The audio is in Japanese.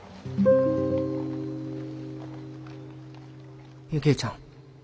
回想雪衣ちゃん。